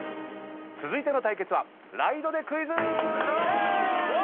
続いての対決はライドｄｅクイズ！